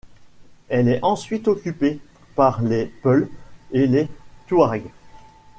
Elle est ensuite occupée par les Peuls et les Touareg.